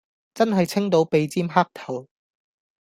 真係清到鼻尖黑頭